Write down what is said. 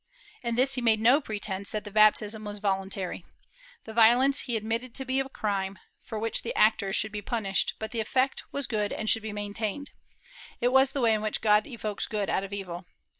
In this he made no pretence that the baptism was voluntary. The vio lence he admitted to be a crime, for which the actors should be punished, but the effect was good and should be maintained; it was the way in which God evokes good out of evil.